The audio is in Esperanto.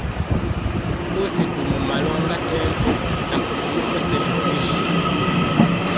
Poste dum mallonga tempo la komunumo senhomiĝis.